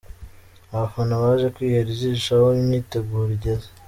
Abafana baje kwihera ijisho aho imyiteguro igeze.